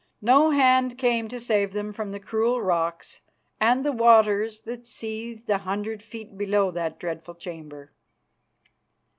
No hand came to save them from the cruel rocks and the waters that seethed a hundred feet below that dreadful chamber.